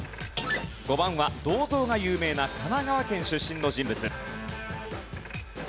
５番は銅像が有名な神奈川県出身の人物。